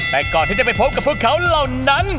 แต่ก่อนที่จะไปพบกับพวกเขาเหล่านั้น